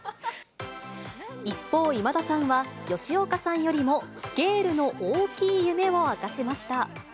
一方、今田さんは吉岡さんよりもスケールの大きい夢を明かしました。